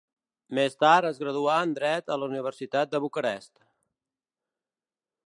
Més tard es graduà en dret a la Universitat de Bucarest.